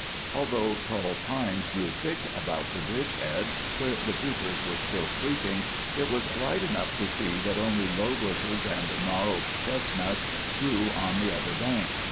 Although tall pines grew thick about the bridge head where the troopers were still sleeping, it was light enough to see that only low bushes and gnarled chestnuts grew on the other bank.